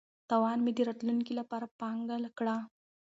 تاوان مې د راتلونکي لپاره پانګه کړه.